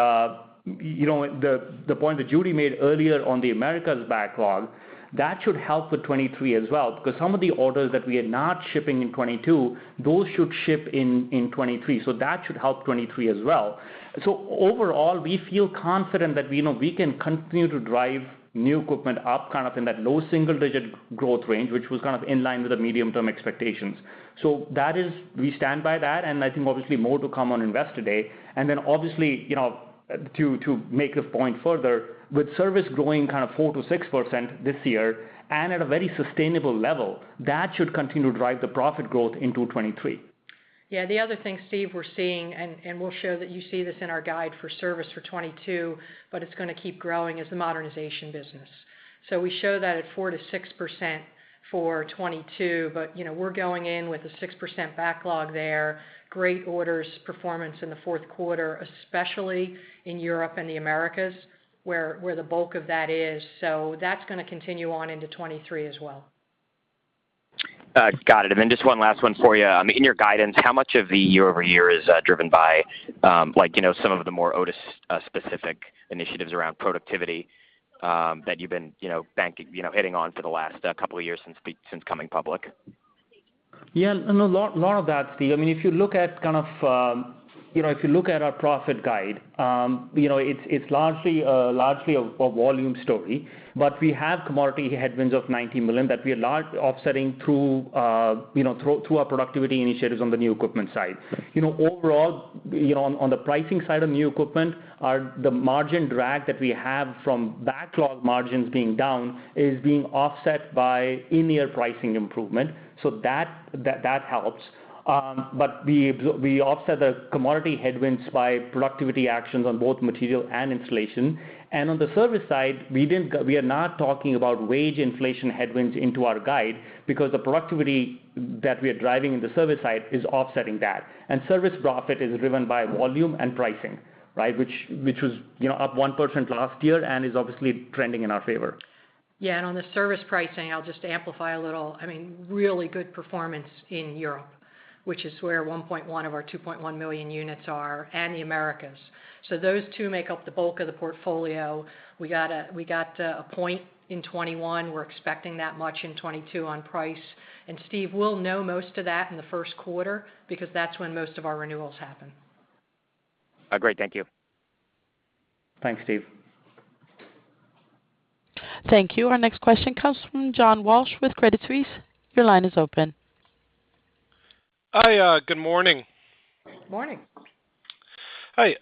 you know, the point that Judy made earlier on the Americas backlog, that should help with 2023 as well, because some of the orders that we are not shipping in 2022, those should ship in 2023, so that should help 2023 as well. Overall, we feel confident that, you know, we can continue to drive new equipment up kind of in that low single digit growth range, which was kind of in line with the medium-term expectations. That is. We stand by that, and I think obviously more to come on Investor Day. Obviously, you know, to make the point further, with service growing kind of 4%-6% this year and at a very sustainable level, that should continue to drive the profit growth in 2023. Yeah. The other thing, Steve, we're seeing, and we'll show that you see this in our guidance for service for 2022, but it's gonna keep growing, is the modernization business. We show that at 4%-6% for 2022, but, you know, we're going in with a 6% backlog there. Great orders performance in the fourth quarter, especially in Europe and the Americas where the bulk of that is. That's gonna continue on into 2023 as well. Got it. Just one last one for you. I mean, in your guidance, how much of the year-over-year is driven by, like, you know, some of the more Otis specific initiatives around productivity, that you've been, you know, banking, you know, hitting on for the last couple of years since coming public? Yeah. No, a lot of that, Steve. I mean, if you look at kind of, you know, if you look at our profit guide, you know, it's largely a volume story. We have commodity headwinds of $90 million that we are largely offsetting through our productivity initiatives on the new equipment side. You know, overall, you know, on the pricing side of new equipment, the margin drag that we have from backlog margins being down is being offset by in-year pricing improvement, so that helps. We offset the commodity headwinds by productivity actions on both material and installation. On the service side, we are not talking about wage inflation headwinds into our guide because the productivity that we are driving in the service side is offsetting that. Service profit is driven by volume and pricing, right? Which was, you know, up 1% last year and is obviously trending in our favor. Yeah. On the service pricing, I'll just amplify a little. I mean, really good performance in Europe, which is where 1.1 of our 2.1 million units are, and the Americas. Those two make up the bulk of the portfolio. We got a 1 point in 2021. We're expecting that much in 2022 on price. Steve, we'll know most of that in the first quarter because that's when most of our renewals happen. Great. Thank you. Thanks, Steve. Thank you. Our next question comes from John Walsh with Credit Suisse. Your line is open. Hi. Good morning. Morning. Hi.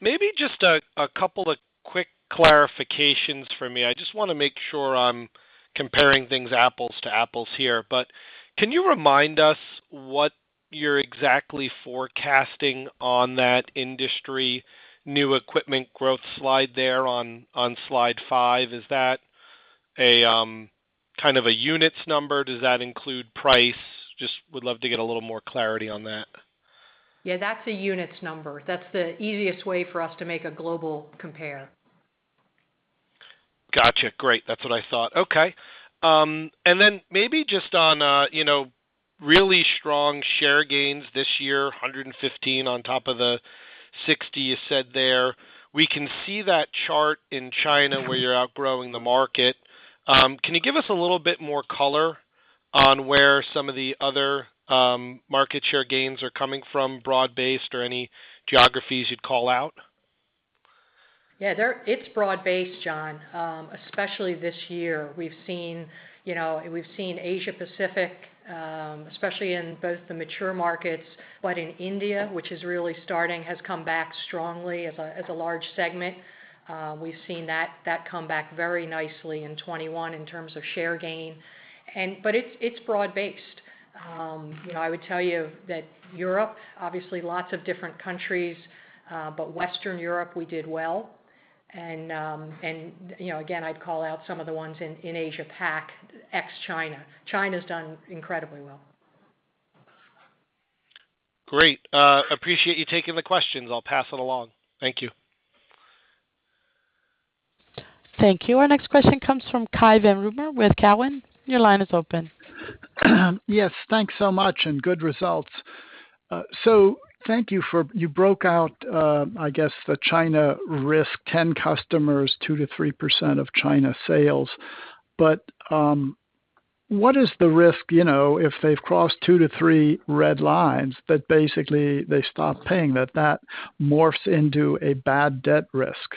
Maybe just a couple of quick clarifications for me. I just wanna make sure I'm comparing things apples to apples here. Can you remind us what you're exactly forecasting on that industry new equipment growth slide there on slide five. Is that a kind of a units number? Does that include price? Just would love to get a little more clarity on that. Yeah, that's a units number. That's the easiest way for us to make a global comparison. Gotcha. Great. That's what I thought. Okay. Then maybe just on, you know, really strong share gains this year, 115 on top of the 60 you said there. We can see that chart in China where you're outgrowing the market. Can you give us a little bit more color on where some of the other market share gains are coming from, broad-based or any geographies you'd call out? Yeah. It's broad-based, John, especially this year. We've seen, you know, Asia-Pacific, especially in both the mature markets. In India, which is really starting, has come back strongly as a large segment. We've seen that come back very nicely in 2021 in terms of share gain. It's broad-based. You know, I would tell you that Europe, obviously lots of different countries, but Western Europe, we did well. You know, again, I'd call out some of the ones in Asia Pac, ex-China. China's done incredibly well. Great. Appreciate you taking the questions. I'll pass it along. Thank you. Thank you. Our next question comes from Cai von Rumohr with Cowen. Your line is open. Yes. Thanks so much and good results. So you broke out, I guess, the China risk, 10 customers, 2%-3% of China sales. What is the risk, you know, if they've crossed 2-3 red lines that basically they stop paying, that morphs into a bad debt risk?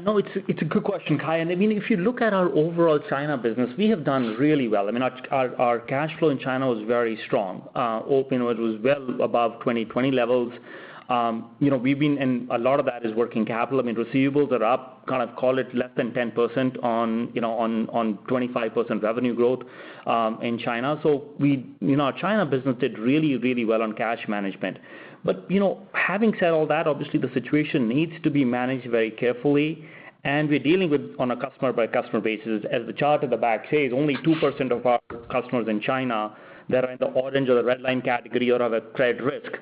No, it's a good question, Cai. I mean, if you look at our overall China business, we have done really well. I mean, our cash flow in China was very strong. Overall, it was well above 2020 levels. A lot of that is working capital. I mean, receivables are up, kind of call it less than 10% on 25% revenue growth in China. Our China business did really well on cash management. You know, having said all that, obviously the situation needs to be managed very carefully, and we're dealing with it on a customer by customer basis. As the chart at the back says, only 2% of our customers in China that are in the orange or the red line category are of a credit risk.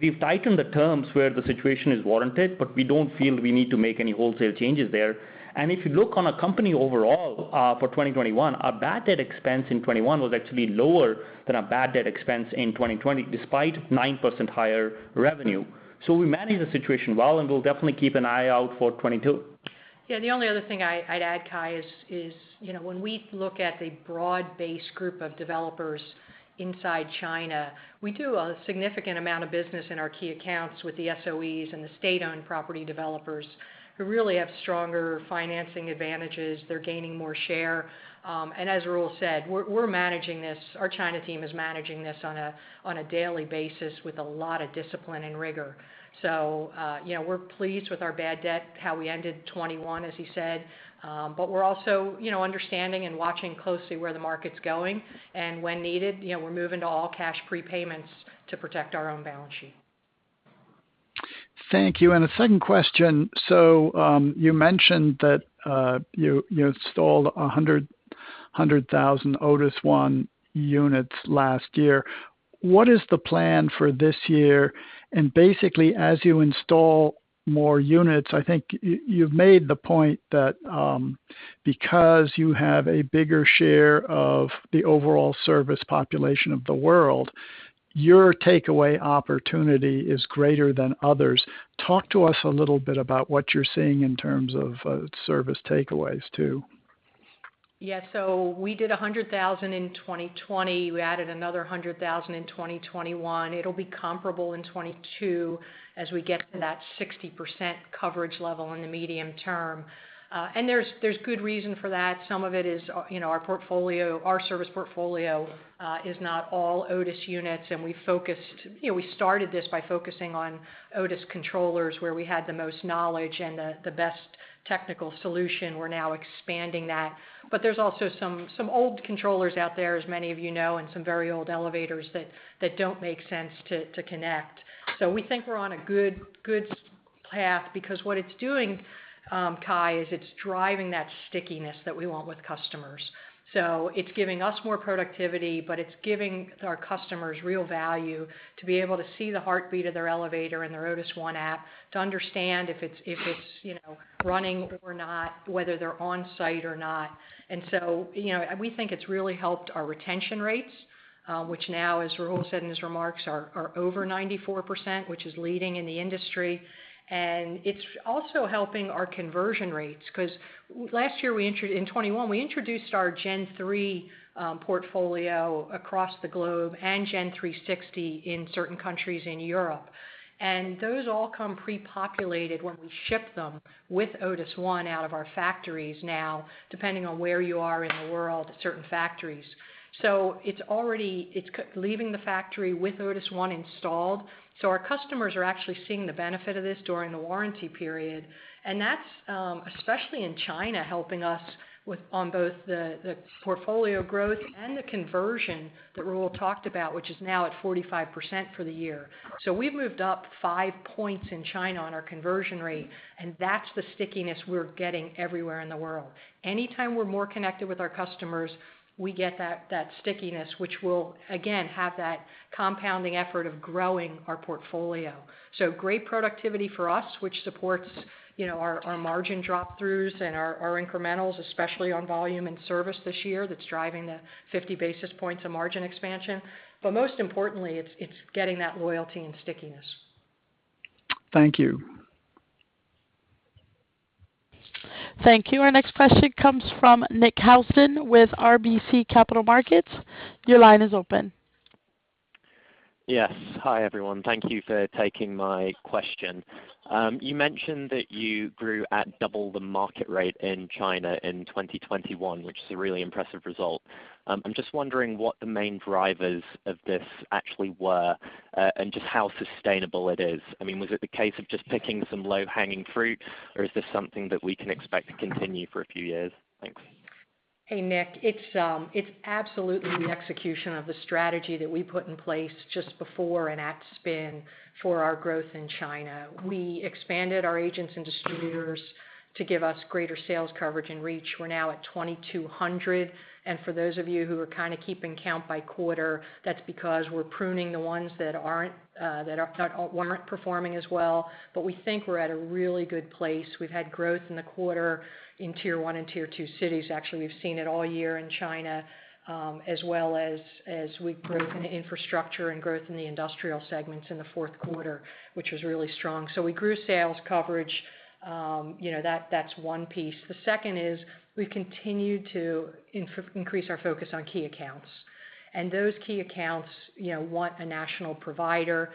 We've tightened the terms where the situation is warranted, but we don't feel we need to make any wholesale changes there. If you look on a company overall, for 2021, our bad debt expense in 2021 was actually lower than our bad debt expense in 2020, despite 9% higher revenue. We managed the situation well, and we'll definitely keep an eye out for 2022. Yeah. The only other thing I'd add, Cai, is you know, when we look at the broad-based group of developers inside China, we do a significant amount of business in our key accounts with the SOEs and the state-owned property developers who really have stronger financing advantages. They're gaining more share. As Rahul said, we're managing this. Our China team is managing this on a daily basis with a lot of discipline and rigor. You know, we're pleased with our bad debt how we ended 2021, as he said. We're also you know understanding and watching closely where the market's going. When needed, you know, we're moving to all cash prepayments to protect our own balance sheet. Thank you. A second question. You mentioned that you installed 100,000 Otis ONE units last year. What is the plan for this year? Basically, as you install more units, I think you've made the point that because you have a bigger share of the overall service population of the world, your takeaway opportunity is greater than others. Talk to us a little bit about what you're seeing in terms of service takeaways too. Yeah. We did 100,000 in 2020. We added another 100,000 in 2021. It'll be comparable in 2022 as we get to that 60% coverage level in the medium term. There's good reason for that. Some of it is, you know, our portfolio, our service portfolio, is not all Otis units. You know, we started this by focusing on Otis controllers, where we had the most knowledge and the best technical solution. We're now expanding that. But there's also some old controllers out there, as many of you know, and some very old elevators that don't make sense to connect. We think we're on a good path because what it's doing, Cai, is it's driving that stickiness that we want with customers. It's giving us more productivity, but it's giving our customers real value to be able to see the heartbeat of their elevator in their Otis ONE app, to understand if it's, you know, running or not, whether they're on site or not. You know, we think it's really helped our retention rates, which now, as Rahul said in his remarks, are over 94%, which is leading in the industry. It's also helping our conversion rates, 'cause last year in 2021, we introduced our Gen 3 portfolio across the globe and Gen 360 in certain countries in Europe. Those all come pre-populated when we ship them with Otis ONE out of our factories now, depending on where you are in the world, certain factories. It's already leaving the factory with Otis ONE installed, so our customers are actually seeing the benefit of this during the warranty period. That's especially in China, helping us win on both the portfolio growth and the conversion that Rahul talked about, which is now at 45% for the year. We've moved up 5 points in China on our conversion rate, and that's the stickiness we're getting everywhere in the world. Anytime we're more connected with our customers, we get that stickiness, which will again have that compounding effect of growing our portfolio. Great productivity for us, which supports, you know, our margin flow-throughs and our incrementals, especially on volume and service this year, that's driving the 50 basis points of margin expansion. Most importantly, it's getting that loyalty and stickiness. Thank you. Thank you. Our next question comes from Nick Housden with RBC Capital Markets. Your line is open. Yes. Hi, everyone. Thank you for taking my question. You mentioned that you grew at double the market rate in China in 2021, which is a really impressive result. I'm just wondering what the main drivers of this actually were, and just how sustainable it is. I mean, was it the case of just picking some low-hanging fruit, or is this something that we can expect to continue for a few years? Thanks. Hey, Nick. It's absolutely the execution of the strategy that we put in place just before and at spin for our growth in China. We expanded our agents and distributors to give us greater sales coverage and reach. We're now at 2,200, and for those of you who are kind of keeping count by quarter, that's because we're pruning the ones that weren't performing as well. But we think we're at a really good place. We've had growth in the quarter in Tier 1 and Tier 2 cities. Actually, we've seen it all year in China, as well as we've grown in infrastructure and growth in the industrial segments in the fourth quarter, which was really strong. We grew sales coverage. You know, that's one piece. The second is we've continued to increase our focus on key accounts. Those key accounts, you know, want a national provider,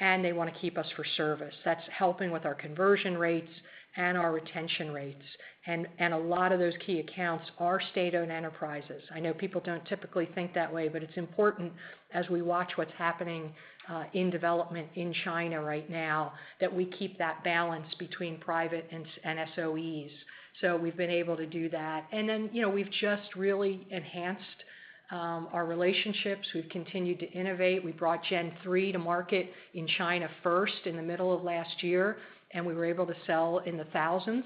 and they wanna keep us for service. That's helping with our conversion rates and our retention rates. A lot of those key accounts are state-owned enterprises. I know people don't typically think that way, but it's important as we watch what's happening in development in China right now, that we keep that balance between private and SOEs. We've been able to do that. You know, we've just really enhanced our relationships. We've continued to innovate. We brought Gen three to market in China first in the middle of last year, and we were able to sell in the thousands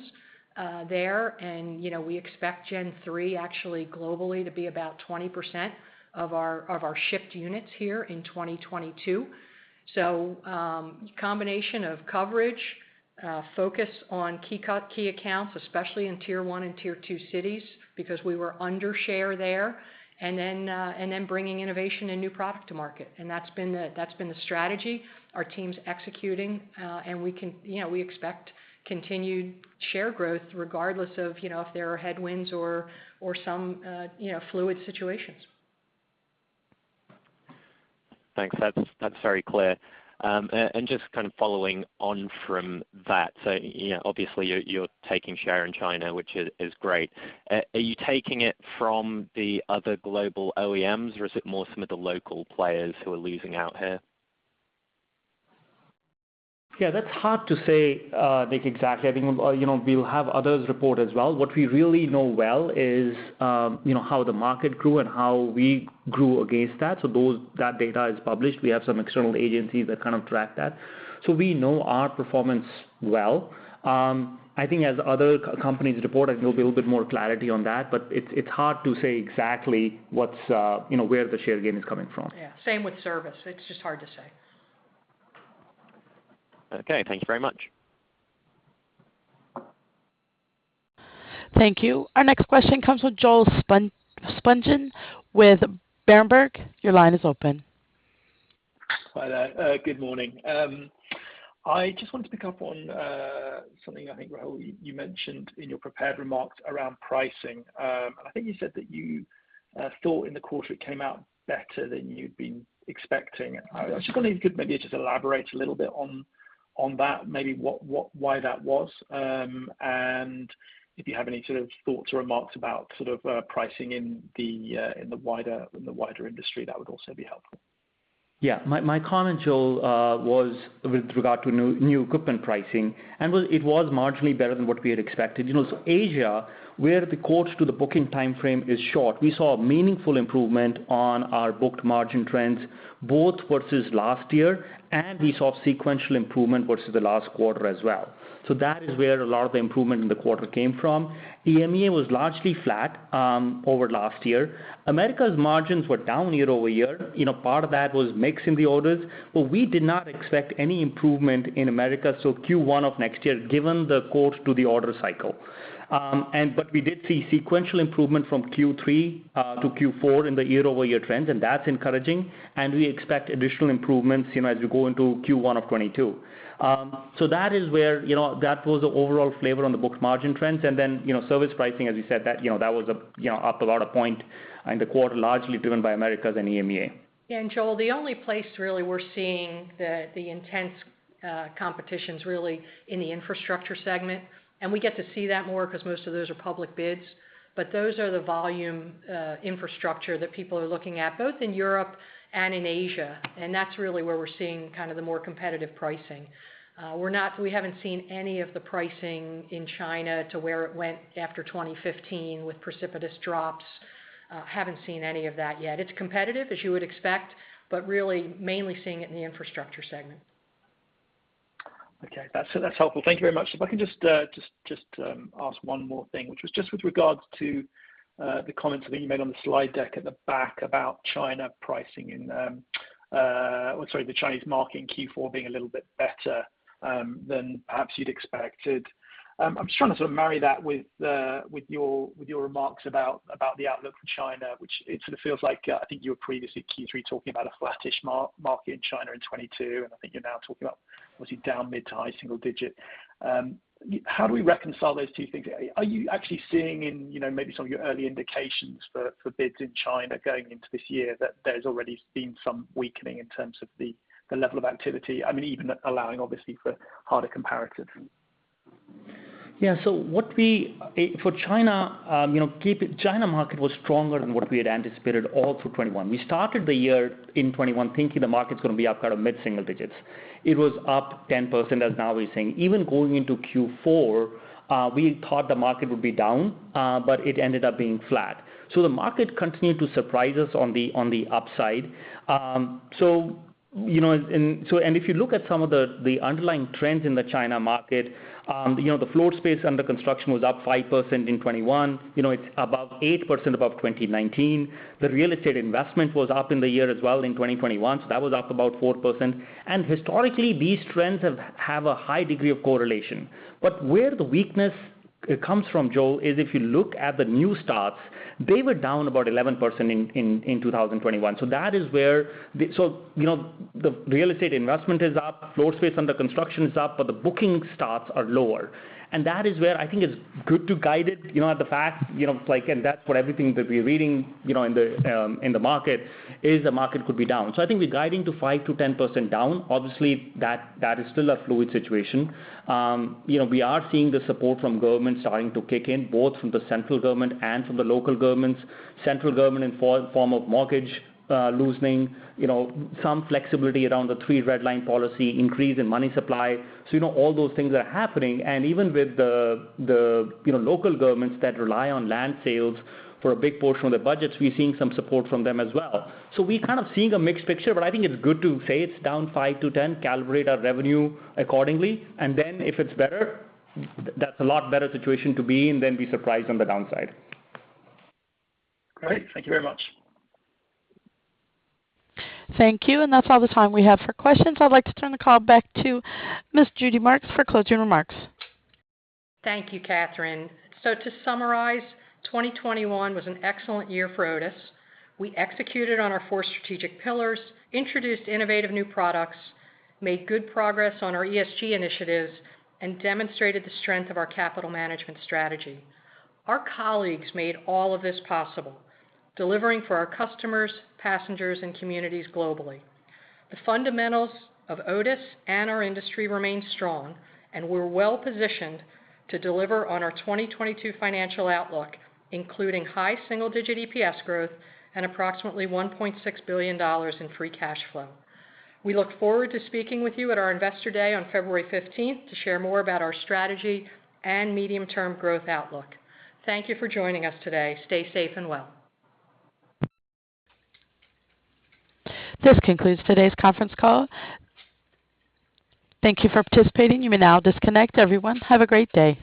there. You know, we expect Gen3 actually globally to be about 20% of our shipped units here in 2022. Combination of coverage, focus on key accounts, especially in tier one and tier two cities, because we were under share there, and then bringing innovation and new product to market. That's been the strategy. Our team's executing. You know, we expect continued share growth regardless of, you know, if there are headwinds or some fluid situations. Thanks. That's very clear. Just kind of following on from that. You know, obviously you're taking share in China, which is great. Are you taking it from the other global OEMs, or is it more some of the local players who are losing out here? Yeah, that's hard to say, Nick, exactly. I think, you know, we'll have others report as well. What we really know well is, you know, how the market grew and how we grew against that. So that data is published. We have some external agencies that kind of track that. So we know our performance well. I think as other companies report, there'll be a little bit more clarity on that. But it's hard to say exactly what's, you know, where the share gain is coming from. Yeah. Same with service. It's just hard to say. Okay. Thank you very much. Thank you. Our next question comes from Joel Spungin with Berenberg. Your line is open. Hi there. Good morning. I just wanted to pick up on something I think, Rahul, you mentioned in your prepared remarks around pricing. I think you said that you thought in the quarter it came out better than you'd been expecting. I was just wondering if you could maybe just elaborate a little bit on that, maybe what why that was. If you have any sort of thoughts or remarks about sort of pricing in the wider industry, that would also be helpful. Yeah. My comment, Joel, was with regard to new equipment pricing, and it was marginally better than what we had expected. You know, Asia, where the quotes to the booking timeframe is short, we saw a meaningful improvement on our booked margin trends, both versus last year, and we saw sequential improvement versus the last quarter as well. That is where a lot of the improvement in the quarter came from. EMEA was largely flat over last year. Americas' margins were down year-over-year. You know, part of that was mix in the orders. We did not expect any improvement in America, so Q1 of next year, given the quotes to the order cycle. But we did see sequential improvement from Q3 to Q4 in the year-over-year trends, and that's encouraging. We expect additional improvements, you know, as we go into Q1 of 2022. That is where, you know, that was the overall flavor on the booked margin trends. You know, service pricing, as you said, that was up a lot of points in the quarter, largely driven by Americas and EMEA. Joel, the only place really we're seeing the intense competition's really in the infrastructure segment. We get to see that more 'cause most of those are public bids. Those are the volume infrastructure that people are looking at, both in Europe and in Asia. That's really where we're seeing kind of the more competitive pricing. We haven't seen any of the pricing in China to where it went after 2015 with precipitous drops. Haven't seen any of that yet. It's competitive, as you would expect, but really mainly seeing it in the infrastructure segment. Okay. That's helpful. Thank you very much. If I can just ask one more thing, which was just with regards to the comments that you made on the slide deck at the back about China pricing in or sorry, the Chinese market in Q4 being a little bit better than perhaps you'd expected. I'm just trying to sort of marry that with your remarks about the outlook for China, which it sort of feels like I think you were previously Q3 talking about a flattish market in China in 2022, and I think you're now talking about obviously down mid- to high-single-digit. How do we reconcile those two things? Are you actually seeing in, you know, maybe some of your early indications for bids in China going into this year that there's already been some weakening in terms of the level of activity? I mean, even allowing obviously for harder comparatives. Yeah. For China, the market was stronger than what we had anticipated all through 2021. We started the year in 2021 thinking the market's gonna be up kind of mid-single digits. It was up 10% as now we're saying. Even going into Q4, we thought the market would be down, but it ended up being flat. The market continued to surprise us on the upside. If you look at some of the underlying trends in the China market, you know, the floor space under construction was up 5% in 2021, you know, it's about 8% above 2019. The real estate investment was up in the year as well in 2021, so that was up about 4%. Historically, these trends have a high degree of correlation. But where the weakness comes from, Joel, is if you look at the new starts, they were down about 11% in 2021. That is where the real estate investment is up, floor space under construction is up, but the booking starts are lower. That is where I think it's good to guide it, you know, at the fact, you know, like, and that's what everything that we're reading, you know, in the market is the market could be down. I think we're guiding to 5%-10% down. Obviously, that is still a fluid situation. We are seeing the support from government starting to kick in, both from the central government and from the local governments. Central government in the form of mortgage loosening, you know, some flexibility around the three red lines policy, increase in money supply. You know, all those things are happening. Even with the you know, local governments that rely on land sales for a big portion of their budgets, we're seeing some support from them as well. We're kind of seeing a mixed picture, but I think it's good to say it's down 5%-10%, calibrate our revenue accordingly. Then if it's better, that's a lot better situation to be in than be surprised on the downside. Great. Thank you very much. Thank you. That's all the time we have for questions. I'd like to turn the call back to Ms. Judy Marks for closing remarks. Thank you, Catherine. To summarize, 2021 was an excellent year for Otis. We executed on our four strategic pillars, introduced innovative new products, made good progress on our ESG initiatives, and demonstrated the strength of our capital management strategy. Our colleagues made all of this possible, delivering for our customers, passengers, and communities globally. The fundamentals of Otis and our industry remain strong, and we're well-positioned to deliver on our 2022 financial outlook, including high single-digit EPS growth and approximately $1.6 billion in free cash flow. We look forward to speaking with you at our Investor Day on February fifteenth to share more about our strategy and medium-term growth outlook. Thank you for joining us today. Stay safe and well. This concludes today's conference call. Thank you for participating. You may now disconnect. Everyone, have a great day.